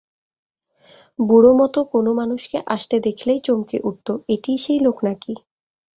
বুড়োমতো কোনো মানুষকে আসতে দেখলেই চমকে উঠত, এটিই সেই লোক নাকি?